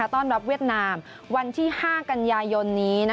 ต้อนรับเวียดนามวันที่๕กันยายนนี้